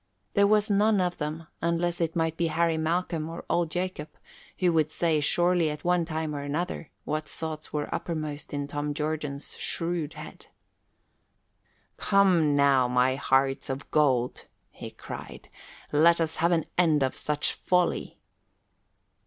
There was none of them, unless it might be Harry Malcolm or Old Jacob, who could say surely at one time or another what thoughts were uppermost in Tom Jordan's shrewd head. "Come, now, my hearts of gold," he cried, "let us have an end of such folly.